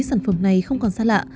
sản phẩm này không còn xa lạ